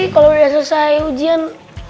kalo udah selesai ujian